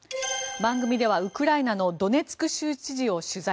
番組ではウクライナのドネツク州知事を取材。